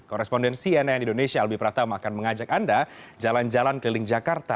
korrespondensi nn indonesia lebih pertama akan mengajak anda jalan jalan keliling jakarta